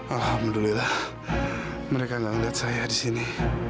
alhamdulillah mereka gak lihat saya disini